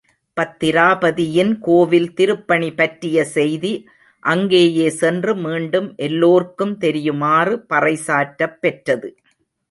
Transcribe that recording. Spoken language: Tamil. பத்திராபதியின் கோவில் திருப்பணி பற்றிய செய்தி, அங்கேயே சென்று மீண்டும் எல்லோர்க்கும் தெரியுமாறு பறை சாற்றப் பெற்றது.